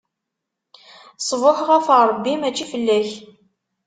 Ṣṣbuḥ ɣef Ṛebbi, mačči fell-ak!